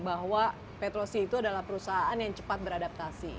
bahwa petro sih itu adalah perusahaan yang cepat beradaptasi